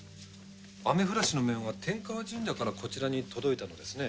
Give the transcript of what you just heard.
雨降らしの面は天河神社からこちらに届いたのですね。